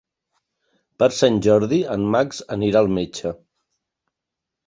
Per Sant Jordi en Max anirà al metge.